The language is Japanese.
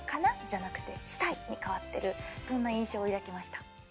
じゃなくて「したい！」に変わってるそんな印象を抱きました。